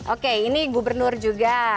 oke ini gubernur juga